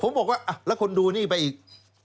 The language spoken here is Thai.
ผมบอกว่าแล้วคนดูนี่ไปอีก